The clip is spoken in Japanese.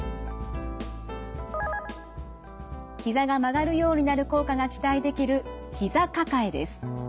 ひざが曲がるようになる効果が期待できるひざ抱えです。